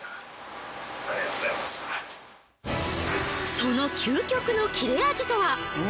その究極の切れ味とは？